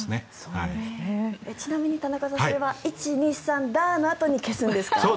ちなみに田中さんそれは１、２、３、ダー！のあとに消すんですか？